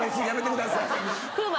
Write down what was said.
風磨。